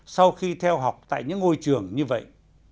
sau khi theo học tại những ngôi trường như vậy